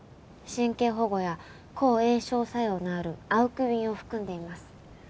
神経保護や抗炎症作用のあるアウクビンを含んでいます。